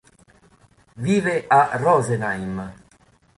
Vive a Rosenheim.